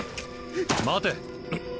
待て。